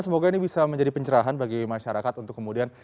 semoga ini bisa menjadi pencerahan bagi masyarakat untuk kemudian